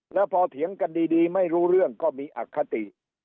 แล้วพอเถียงกันดีไม่รู้เรื่องก็มีอคติ